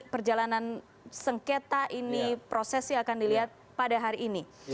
perjalanan sengketa ini prosesnya akan dilihat pada hari ini